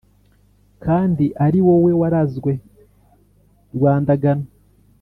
kandi ari wowe warazwe rwandagano